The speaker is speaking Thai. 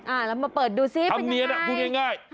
อ่าแล้วมาเปิดดูซิเป็นยังไงค่ะทำเนียนดูง่าย